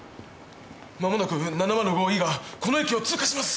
まもなく７０５Ｅがこの駅を通過します！